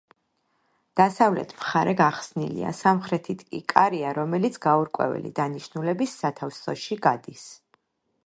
დასავლეთ მხარე გახსნილია, სამხრეთით კი კარია, რომელიც გაურკვეველი დანიშნულების სათავსოში გადის.